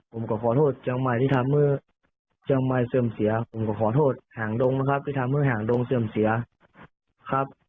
ผมก็ขอโทษเชียงใหม่ที่ทำเมื่อเชียงใหม่เสื่อมเสียผมก็ขอโทษหางดงนะครับที่ทำให้หางดงเสื่อมเสียครับ